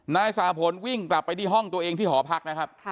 นายสาผลวิ่งกลับไปที่ห้องตัวเองที่หอพักนะครับ